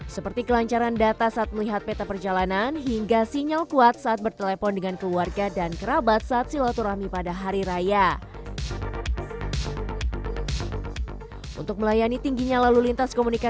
seperti kelancaran data saat melihat peta perjalanan hingga sinyal kuat saat bertelepon dengan keluarga dan kerabat saat silaturahmi pada hari raya